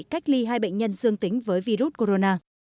cách ly hai bệnh nhân dương tính với virus corona